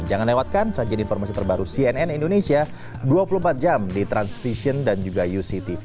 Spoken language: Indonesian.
jangan lewatkan sajian informasi terbaru cnn indonesia dua puluh empat jam di transvision dan juga uctv